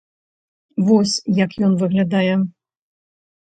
Вось як ён выглядае.